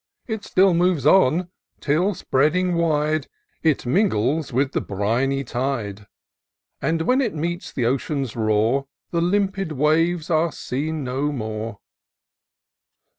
It still moves on, till spreading wide. It mingles with the briny tide ; And, when it meets the ocean's roar. The limpid waves are seen no more.